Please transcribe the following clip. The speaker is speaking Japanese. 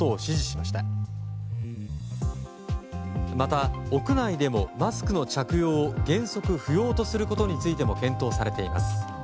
また、屋内でもマスクの着用を原則不要とすることについても検討されています。